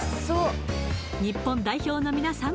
日本代表のみなさん